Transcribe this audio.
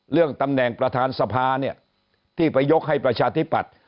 เรื่องตำแหน่งประธานสภาเนี่ยที่ไปยกให้ประชาธิปัตย์